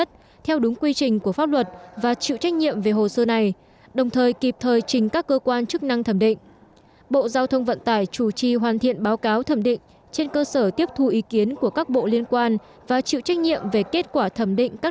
theo quy định của pháp luật hiện tổng tiến độ chung của dự án đạt khoảng năm mươi một và mục tiêu hoàn thành vào cuối năm hai nghìn hai mươi